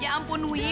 ya ampun wuyi